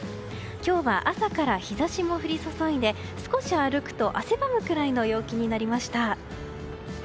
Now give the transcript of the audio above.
今日は朝から日差しも降り注いで少し歩くと汗ばむくらいの陽気になりました。